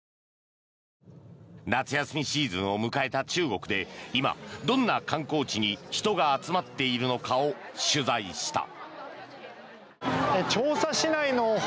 夏休みシーズンを迎えた中国で今、どんな観光地に人が集まっているのかを取材した。